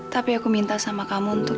tapi aku minta sama kamu untuk